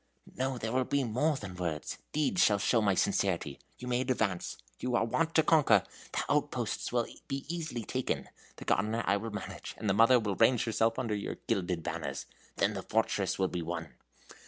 "No, there will be more than words. Deeds shall show my sincerity. You may advance. You are wont to conquer. The outposts will be easily taken. The gardener I will manage, and the mother will range herself under your gilded banners. Then the fortress will be won!"